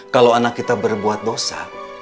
kalau anak kita berbuat dosa